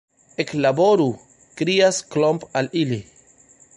Eklaboru! krias Klomp al ili.